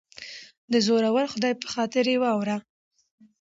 دزورور خدای په خاطر یه واوره